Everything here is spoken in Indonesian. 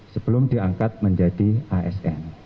sebelum diangkat menjadi asn